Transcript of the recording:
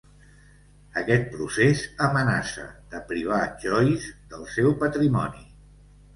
Aquest procés amenaça de privar Joyce del seu patrimoni.